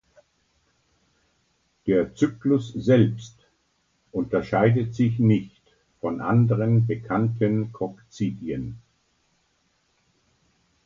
Der Zyklus selbst unterscheidet sich nicht von anderen bekannten Kokzidien.